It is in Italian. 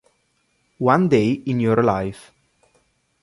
One Day in Your Life